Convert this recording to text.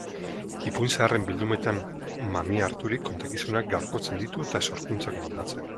Ipuin zaharren bildumetan mamia harturik, kontakizunak gaurkotzen ditu eta sorkuntzak moldatzen.